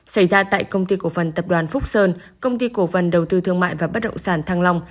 xảy ra tại công ty cổ phần tập đoàn phúc sơn công ty cổ phần đầu tư thương mại và bất động sản thăng long